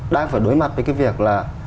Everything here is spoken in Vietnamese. đang phải đối mặt với cái việc là